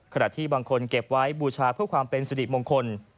ที่บางคนเก็บไว้บูชาเพื่อความเป็นสิริมงคล